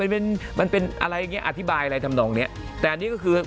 เป็นมันเป็นอะไรอย่างเงี้อธิบายอะไรทำนองเนี้ยแต่อันนี้ก็คือ